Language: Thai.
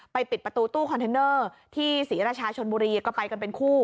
ปิดประตูตู้คอนเทนเนอร์ที่ศรีราชาชนบุรีก็ไปกันเป็นคู่